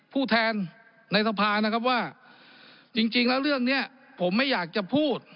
ผู้แทนในสภานะครับว่าจริงแล้วเรื่องนี้ผมไม่อยากจะพูด